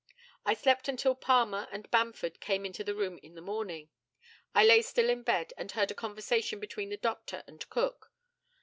I slept until Palmer and Bamford came into the room in the morning. I lay still in bed, and heard a conversation between the doctor and Cook.